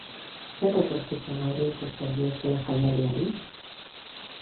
Zer etorkizun aurreikusten diozue jaialdiari?